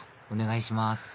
お願いします